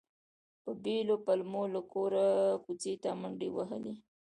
په بېلو پلمو له کوره کوڅې ته منډې وهلې.